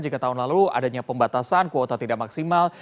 jika tahun lalu adanya pembatasan kuota tidak maksimal